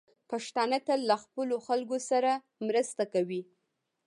پښتانه تل له خپلو خلکو سره مرسته کوي.